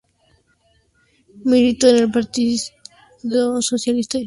Militó en el Partido Socialista de Chile.